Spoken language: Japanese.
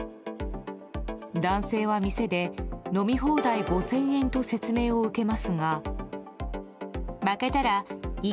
男性は店で飲み放題５０００円と説明を受けますが。